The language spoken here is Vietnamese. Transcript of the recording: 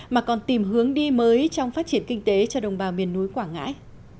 mà còn tìm hướng đi mới trong phát triển kinh tế cho đồng bào miền núi quảng ngãi